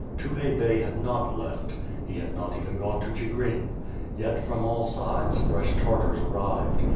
Tukhay Bey had not left. He had not even gone to Chigrin. Yet, from all sides fresh Tartars arrived.